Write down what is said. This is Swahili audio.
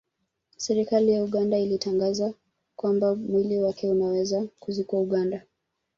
Serikali ya Uganda ilitangaza kwamba mwili wake unaweza kuzikwa Uganda